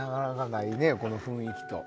この雰囲気と。